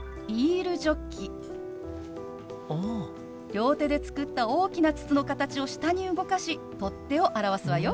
両手で作った大きな筒の形を下に動かし取っ手を表すわよ。